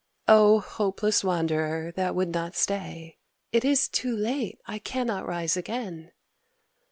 O hopeless wanderer that would not stay, ("It is too late, I cannot rise again!")